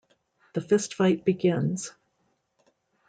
The fistfight begins.